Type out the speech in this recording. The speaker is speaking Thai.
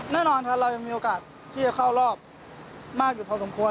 แน่นอนครับเรายังมีโอกาสที่จะเข้ารอบมากอยู่พอสมควร